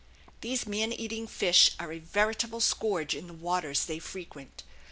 These man eating fish are a veritable scourge in the waters they frequent.